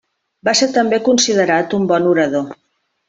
Va ser també considerat un bon orador.